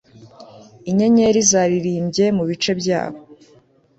Inyenyeri zaririmbye mubice byabo